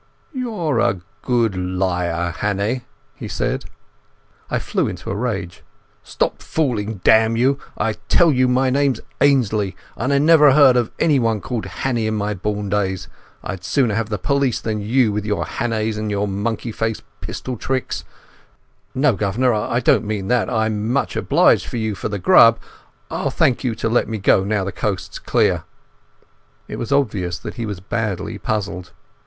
"You're a good liar, Hannay," he said. I flew into a rage. "Stop fooling, damn you! I tell you my name's Ainslie, and I never heard of anyone called Hannay in my born days. I'd sooner have the police than you with your Hannays and your monkey faced pistol tricks.... No, guv'nor, I beg pardon, I don't mean that. I'm much obliged to you for the grub, and I'll thank you to let me go now the coast's clear." It was obvious that he was badly puzzled.